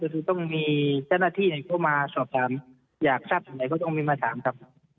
คือต้องมีเจ้าหน้าที่เข้ามาสอบถามอยากทราบถึงไหนก็ต้องมีมาถามครับ